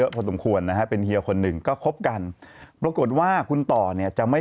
พอจมขวนว่าเป็นคนหนึ่งก็ชอบกันโปรกฏว่าคุณต่อเนี่ยจะไม่